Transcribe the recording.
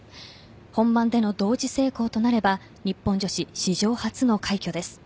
本番での同時成功となれば日本女子史上初の快挙です。